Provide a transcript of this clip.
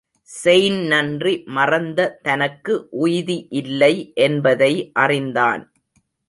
செய்ந்நன்றி மறந்த தனக்கு உய்தி இல்லை என்பதை அறிந்தான்.